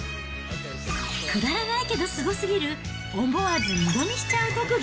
くだらないけどすごすぎる、思わず二度見しちゃう特技。